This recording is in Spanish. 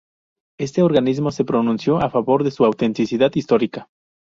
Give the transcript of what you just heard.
Este organismo se pronunció a favor de su autenticidad histórica.